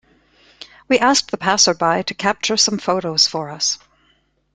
We asked the passer-by to capture some photos for us.